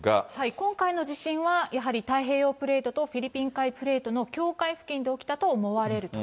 今回の地震は、やはり太平洋プレートとフィリピン海プレートの境界付近で起きたと思われると。